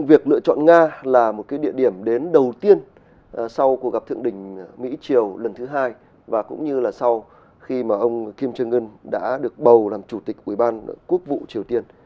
và cũng như là sau khi mà ông kim jong un đã được bầu làm chủ tịch quỹ ban quốc vụ triều tiên